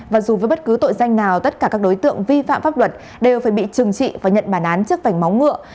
và dù với bất cứ tội danh nào tất cả các đối tượng vi phạm pháp luật đều phải bị trừng trị và nhận bản án trước vảnh móng ngựa